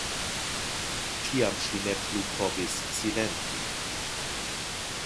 Tiam ŝi ne plu povis silenti.